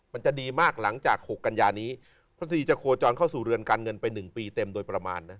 มันจะดีมากหลังจาก๖กัญญานี้พระศรีจะโคจรเข้าสู่เรือนการเงินไป๑ปีเต็มโดยประมาณนะ